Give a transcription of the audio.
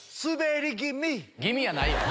「気味」やないよ